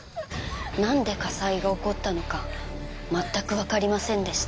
なんで火災が起こったのか全くわかりませんでした